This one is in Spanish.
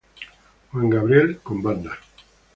Juan Gabriel con Banda...